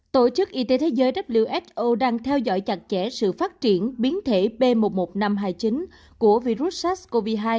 tổ chức y tế thế giới who đang theo dõi chặt chẽ sự phát triển biến thể b một mươi một nghìn năm trăm hai mươi chín của virus sars cov hai